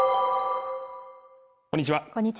こんにちは